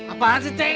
apaan sih ceka